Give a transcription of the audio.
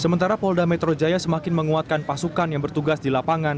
sementara polda metro jaya semakin menguatkan pasukan yang bertugas di lapangan